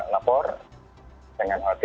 lapor dengan hati